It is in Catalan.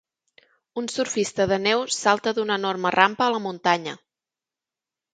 Un surfista de neu salta d'una enorme rampa a la muntanya.